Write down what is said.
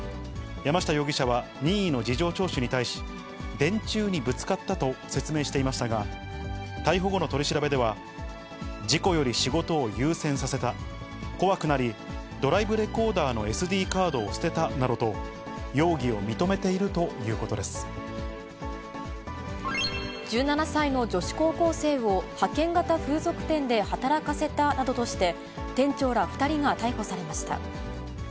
山下容疑者は任意の事情聴取に対し、電柱にぶつかったと説明していましたが、逮捕後の取り調べでは、事故より仕事を優先させた、怖くなり、ドライブレコーダーのＳＤカードを捨てたなどと、容疑を認めてい１７歳の女子高校生を、派遣型風俗店で働かせたなどとして、店長ら２人が逮捕されました。